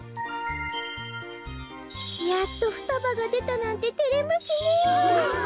やっとふたばがでたなんててれますねえ。